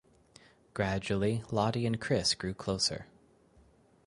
Gradually Lotte and Chris grow closer.